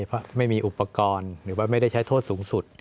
เพราะไม่มีอุปกรณ์หรือว่าไม่ได้ใช้โทษสูงสุด